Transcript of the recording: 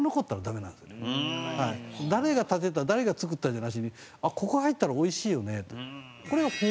誰が建てた誰が造ったじゃなしにここ入ったらおいしいよねと。